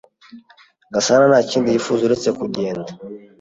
Gasana nta kindi yifuza uretse kugenda.